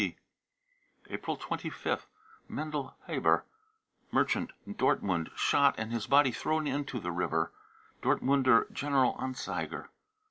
(WTB.) April 25th. MENDEL HABER, merchant, Dortmund, shot, and his body thrown into the river. (Dortmunder General Anzeiger.)